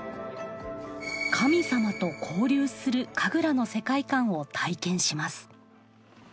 神様と交流する神楽の世界観を体験します。